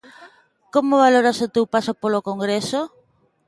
Como valoras o teu paso polo Congreso?